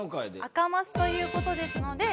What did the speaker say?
赤マスという事ですので。